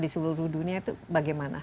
di seluruh dunia itu bagaimana